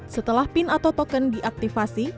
setelah pin atau token diaktifasi